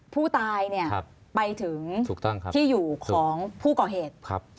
ผู้ตายเนี่ยไปถึงที่อยู่ของผู้ก่อเหตุ